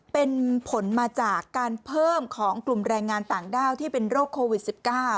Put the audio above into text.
เป็นผลมาจากการเพิ่มของกลุ่มแรงงานต่างด้าวที่เป็นโรคโควิด๑๙